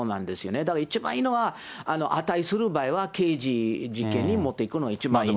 だから一番いいのは、値する場合は、刑事事件に持っていくのが一番いいんですね。